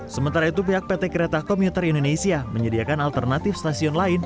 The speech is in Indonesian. sementara itu pihak pt kereta komuter indonesia menyediakan alternatif stasiun lain